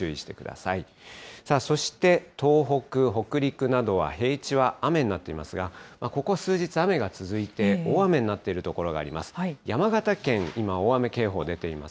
さあ、そして東北、北陸などは平地は雨になっていますが、ここ数日、雨が続いて、大雨になっている所があります。